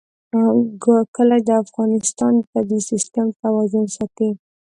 کلي د افغانستان د طبعي سیسټم توازن ساتي.